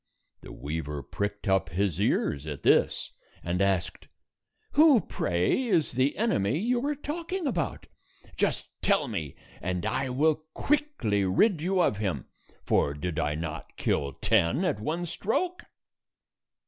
The weaver pricked up his ears at this, and asked, "Who, pray, is the enemy you are talk ing about? Just tell me, and I will quickly rid you of him, for did I not kill ten at one stroke?"